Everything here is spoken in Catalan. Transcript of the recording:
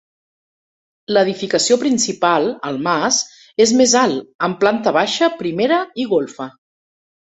L'edificació principal -el mas- és més alt, amb planta baixa, primera i golfa.